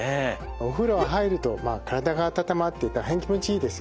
お風呂は入ると体が温まって大変気持ちいいですよね。